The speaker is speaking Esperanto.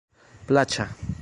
plaĉa